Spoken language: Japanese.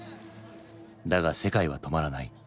だが世界は止まらない。